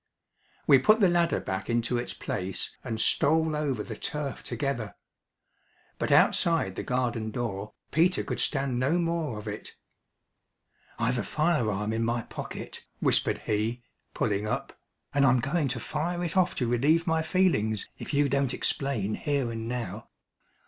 We put the ladder back into its place and stole over the turf together. But outside the garden door Peter could stand no more of it "I've a fire arm in my pocket," whispered he, pulling up, "and I'm going to fire it off to relieve my feelings if you don't explain here and now.